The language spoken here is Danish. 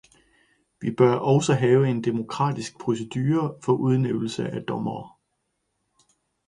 Vi bør også have en demokratisk procedure for udnævnelse af dommere.